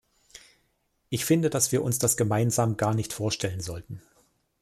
Ich finde, dass wir uns das gemeinsam gar nicht vorstellen sollten.